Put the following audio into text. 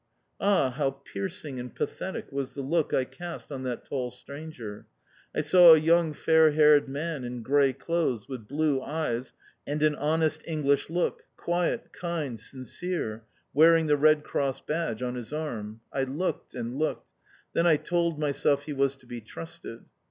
Ah! how piercing and pathetic was the look I cast on that tall stranger. I saw a young fair haired man in grey clothes, with blue eyes, and an honest English look, quiet, kind, sincere, wearing the Red Cross badge on his arm! I looked and looked. Then I told myself he was to be trusted.